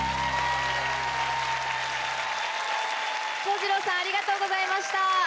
こうじろうさんありがとうございました。